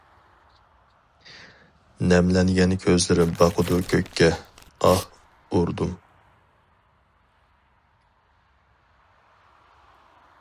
نەملەنگەن كۆزلىرىم باقىدۇ كۆككە، ئاھ ئۇردۇم!